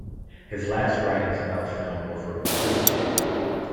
His last writings about film were for Truthdig.